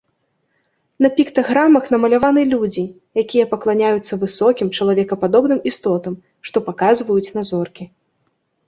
На піктаграмах намаляваны людзі, якія пакланяюцца высокім чалавекападобным істотам, што паказваюць на зоркі.